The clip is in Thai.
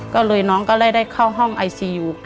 ก็เลยน้องก็เลยได้เข้าห้องไอซียู